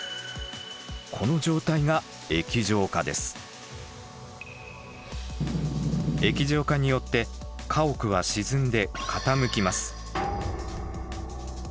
この状態が液状化によって家屋は沈んで傾きます。